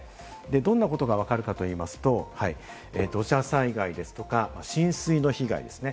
どんなことが分かるかといいますと、土砂災害ですとか、浸水の被害ですね。